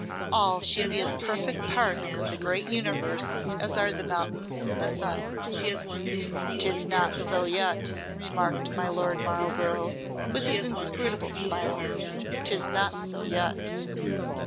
All should be as perfect parts of the great universe as are the mountains and the sun." "'Tis not so yet," remarked my Lord Marlborough, with his inscrutable smile. "'Tis not so yet."